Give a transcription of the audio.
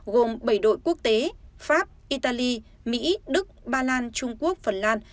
gồm bảy đội quốc tế pháp italy mỹ đức ba lan trung quốc phần lan